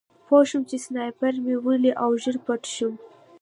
پوه شوم چې سنایپر مې ولي او ژر پټ شوم